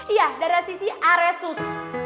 iya darah sissy resus